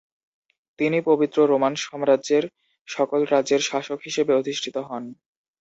তিনি পবিত্র রোমান সাম্রাজ্যের সকল রাজ্যের শাসক হিসেবে অধিষ্ঠিত হন।